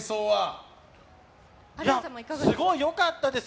すごい良かったです。